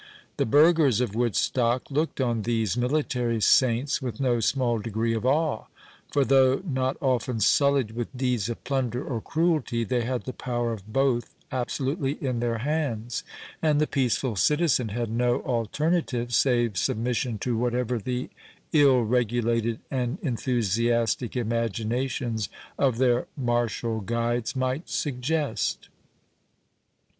The burghers of Woodstock looked on these military saints with no small degree of awe; for though not often sullied with deeds of plunder or cruelty, they had the power of both absolutely in their hands, and the peaceful citizen had no alternative, save submission to whatever the ill regulated and enthusiastic imaginations of their martial guides might suggest.